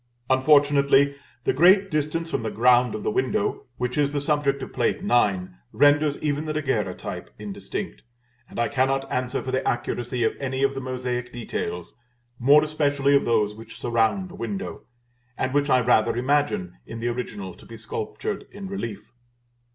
Unfortunately, the great distance from the ground of the window which is the subject of Plate IX. renders even the Daguerreotype indistinct; and I cannot answer for the accuracy of any of the mosaic details, more especially of those which surround the window, and which I rather imagine, in the original, to be sculptured in relief.